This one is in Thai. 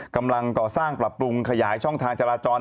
กำลังก่อสร้างปรับปรุงขยายช่องทางจราจร